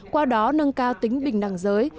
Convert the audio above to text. qua đó nâng cao tính bình đẳng giới